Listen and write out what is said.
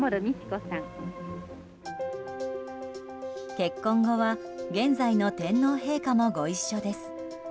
結婚後は現在の天皇陛下もご一緒です。